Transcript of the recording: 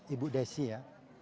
ibu desi ya